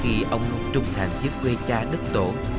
khi ông trung thành giúp quê cha đất tổ